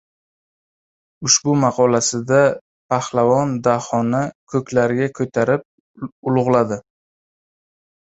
Ushbu maqolasida Pahlavon Dahoni ko‘klarga ko‘tarib ulug‘ladi: